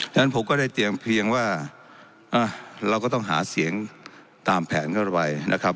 ฉะนั้นผมก็ได้เตรียมเพียงว่าเราก็ต้องหาเสียงตามแผนเข้าไปนะครับ